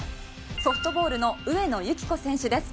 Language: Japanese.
ソフトボールの上野由岐子選手です。